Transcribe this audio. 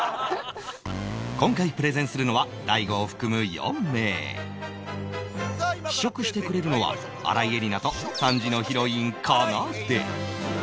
今回プレゼンするのは大悟を含む４名試食してくれるのは新井恵理那と３時のヒロインかなで